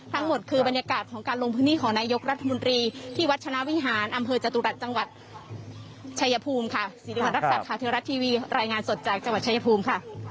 ทั้งหมดคือบรรยากาศของการลงพื้นที่ของนายกรัฐมนตรีที่วัดชนะวิหารอำเภอจตุรัสจังหวัดชายภูมิค่ะ